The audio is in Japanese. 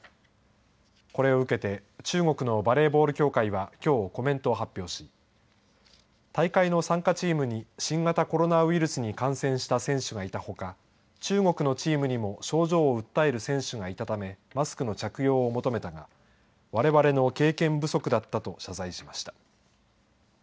これを受けて中国のバレーボール協会はきょう、コメントを発表し大会の参加チームに新型コロナウイルスに感染した選手がいたほか中国のチームにも症状を訴える選手がいたためマスクの着用を求めたがわれわれの経験不足だったと謝罪しました。